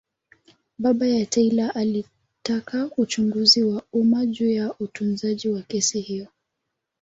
Baba ya Taylor alitaka uchunguzi wa umma juu ya utunzaji wa kesi hiyo.